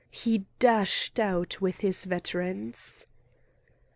He dashed out with his veterans.